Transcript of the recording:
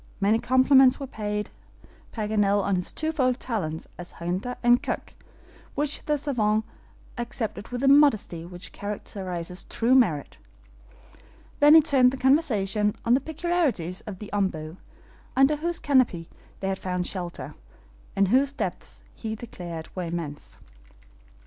Many compliments were paid Paganel on his twofold talents as hunter and cook, which the SAVANT accepted with the modesty which characterizes true merit. Then he turned the conversation on the peculiarities of the OMBU, under whose canopy they had found shelter, and whose depths he declared were immense.